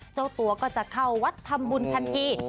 เจ้าตัวก็จะเข้ะวัฒนธรรมบุญทันที